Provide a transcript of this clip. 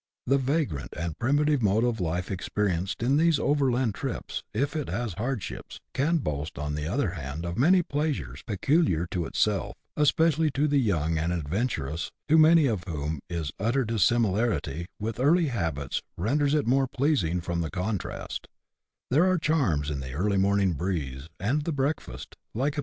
The vagrant and primitive mode of life experienced in these overland trips, if it has hardships, can boast on tlie other hand of many pleasures peculiar to itself, especially to the young and adventurous, to many of whom its utter dissimilarity with early habits renders it more pleasing from the contrast ; there are charms in the early morning breeze, and the breakfast, like a pic CHAP.